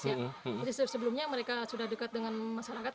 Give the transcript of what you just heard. jadi sebelumnya mereka sudah dekat dengan masyarakat